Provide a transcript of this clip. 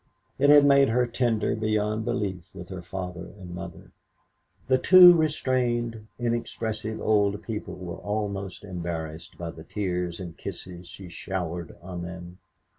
It had made her tender beyond belief with her father and mother. The two restrained, inexpressive old people were almost embarrassed by the tears and the kisses she showered on them.